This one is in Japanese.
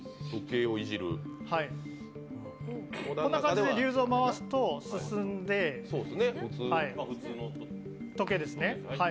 こんな感じでリューズを回すと進んで時計ですね。